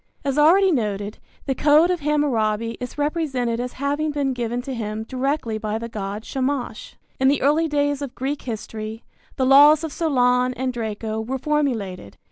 As already noted, the code of Hammurabi is represented as having been given to him directly by the god Shamash. In the early days of Greek history, the laws of Solon and Draco were formulated.